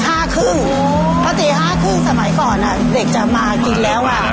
เพราะตี๕๓๐สมัยก่อนเด็กจะมากินแล้ว